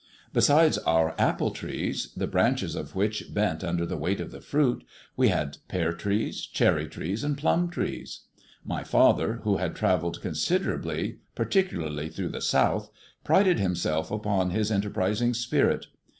Besides our apple trees, the branches of which bent under the weight of the fruit, we had pear trees, cherry trees, and plum trees. My father, who had travelled considerably, particularly through the South, prided himself upon his enterprising spirit.